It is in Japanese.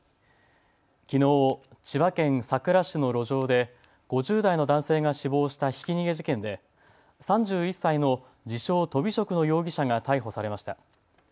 きのう、千葉県佐倉市の路上で５０代の男性が死亡したひき逃げ事件で３１歳の自称、とび職の容疑者が逮捕されました。